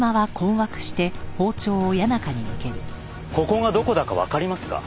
ここがどこだかわかりますか？